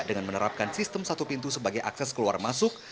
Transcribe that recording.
dengan menerapkan sistem satu pintu sebagai akses keluar masuk